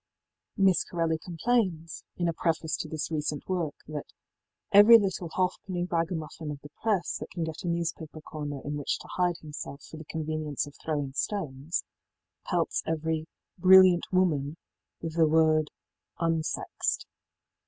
Miss Corelli complains, in a preface to this recent work, that ëevery little halfpenny ragamuffin of the press that can get a newspaper corner in which to hide himself for the convenience of throwing stones,í pelts every ëbrilliant womaní with the word ëunsexed.